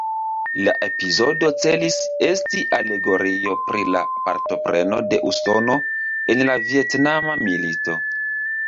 La epizodo celis esti alegorio pri la partopreno de Usono en la Vjetnama Milito.